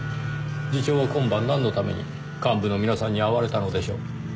次長は今晩なんのために幹部の皆さんに会われたのでしょう？